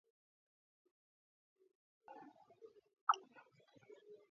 "აუსვი და დაუსვი ჩავარდება გულსაო."